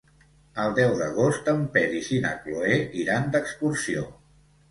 El deu d'agost en Peris i na Cloè iran d'excursió.